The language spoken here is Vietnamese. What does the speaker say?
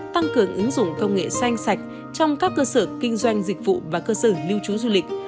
tăng cường ứng dụng công nghệ xanh sạch trong các cơ sở kinh doanh dịch vụ và cơ sở lưu trú du lịch